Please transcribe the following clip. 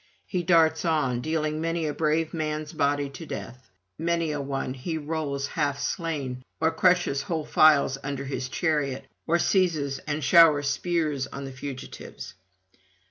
He darts on, dealing many a brave man's body to death; many an one he rolls half slain, or crushes whole files under his chariot, or seizes and showers spears on the fugitives.